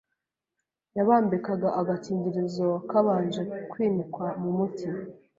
yabambikaga agakingirizo kabanje kwinikwa mu muti,